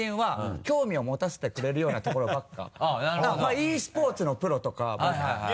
ｅスポーツのプロとか。